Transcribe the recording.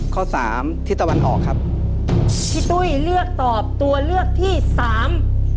ข้อสามทิศตะวันออกครับพี่ตุ้ยเลือกตอบตัวเลือกที่สาม